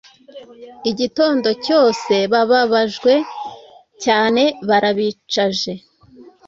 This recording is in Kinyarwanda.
Igitondo cyosebaba bajwe cyane barabicaje